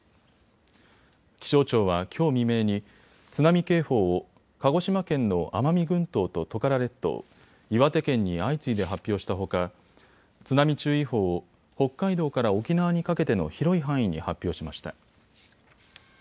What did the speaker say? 気象庁はきょう未明に津波警報を鹿児島県の奄美群島とトカラ列島、岩手県に相次いで発表したほか津波注意報を北海道から沖縄にかけての広い範囲に発表しました。